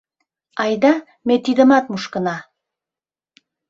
— Айда ме тидымат мушкына.